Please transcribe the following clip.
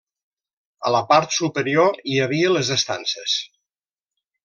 A la part superior hi havia les estances.